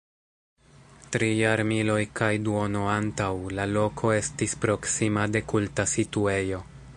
Tri jarmiloj kaj duono antaŭ, la loko estis proksima de kulta situejo.